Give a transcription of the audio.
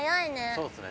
そうですね。